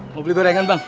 mau beli gorengan bang